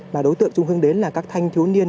và đối tượng chung hướng đến là các thanh thiếu niên